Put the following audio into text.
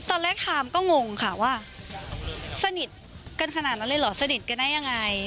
ไทม์ก็งงค่ะว่าสนิทกันขนาดนั้นเลยเหรอสนิทกันได้ยังไง